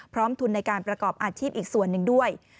ทุนในการประกอบอาชีพอีกส่วนหนึ่งด้วย